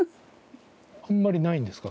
あんまりないんですか？